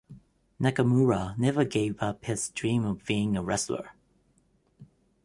Nakamura never gave up his dream of being a wrestler.